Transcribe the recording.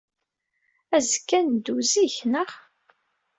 Azekka, ad neddu zik, naɣ?